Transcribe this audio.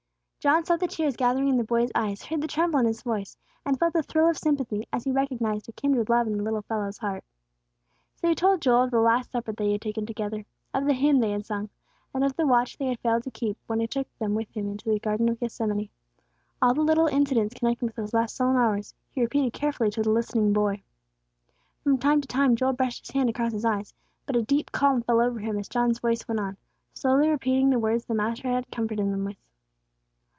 John saw the tears gathering in the boy's eyes, heard the tremble in his voice, and felt a thrill of sympathy as he recognized a kindred love in the little fellow's heart. So he told Joel of the last supper they had taken together, of the hymn they had sung, and of the watch they had failed to keep, when He took them with Him into the garden of Gethsemane. All the little incidents connected with those last solemn hours, he repeated carefully to the listening boy. From time to time Joel brushed his hand across his eyes; but a deep calm fell over him as John's voice went on, slowly repeating the words the Master had comforted them with.